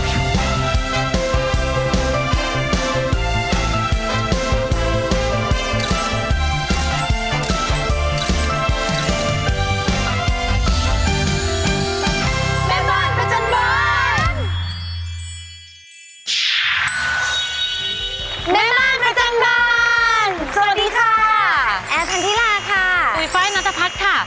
คุณฟ้ายณฑพัทค่ะ